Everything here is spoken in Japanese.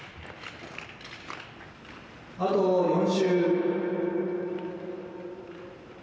「あと４周」。